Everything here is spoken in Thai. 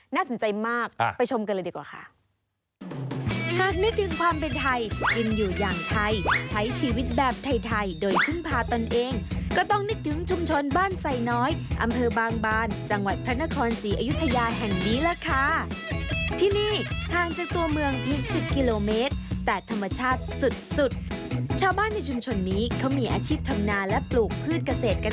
น่าสนใจมากไปชมกันเลยดีกว่าค่ะ